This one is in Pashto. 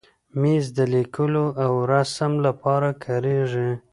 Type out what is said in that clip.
مېز د لیکلو او رسم لپاره کارېږي.